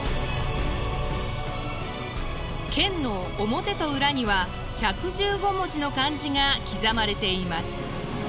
剣の表と裏には１１５文字の漢字が刻まれています。